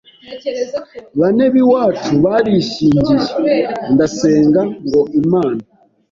bane b’iwacu barishyingiye ndasenga ngo Imana